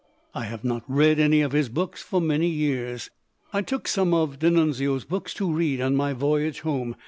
I have not read any of his books for many years. "I took some of D'Annunzio's books to read on my voyage home.